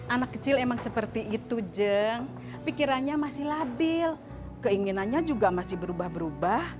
anak kecil emang seperti itu jeng pikirannya masih labil keinginannya juga masih berubah berubah